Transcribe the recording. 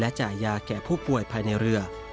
จ่ายยาแก่ผู้ป่วยภายในเรือ